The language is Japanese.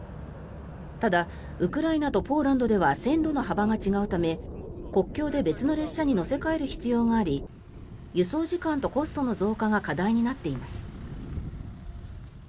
ただ、ウクライナとポーランドでは線路の幅が違うため、国境で別の列車に載せ替える必要があり輸送時間とコストの増加が課題となっています。